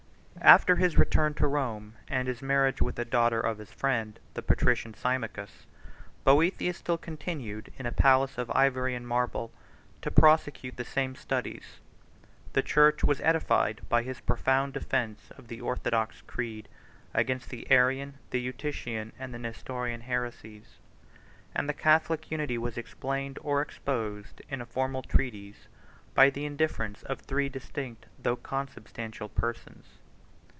After his return to Rome, and his marriage with the daughter of his friend, the patrician Symmachus, Boethius still continued, in a palace of ivory and marble, to prosecute the same studies. 92 The church was edified by his profound defence of the orthodox creed against the Arian, the Eutychian, and the Nestorian heresies; and the Catholic unity was explained or exposed in a formal treatise by the indifference of three distinct though consubstantial persons.